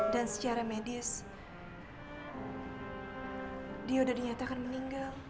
dan secara medis dia udah dinyatakan meninggal